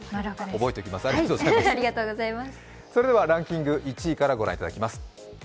それではランキング１位からご覧いただきます。